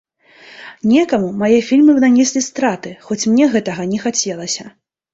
Некаму мае фільмы нанеслі страты, хоць мне гэтага не хацелася.